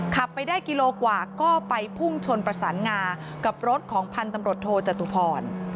ขับไปได้กิโลกว่าก็ไปพุ่งชนประสานงากับรถของพันธุ์ตำรวจโทจตุพร